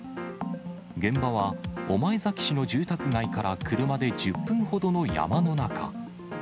現場は、御前崎市の住宅街から車で１０分ほどの山の中。